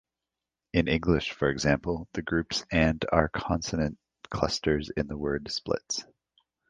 In English, for example, the groups and are consonant clusters in the word "splits".